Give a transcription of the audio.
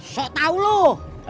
sok tau loh